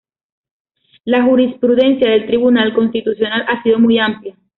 La jurisprudencia del Tribunal Constitucional ha sido muy amplia.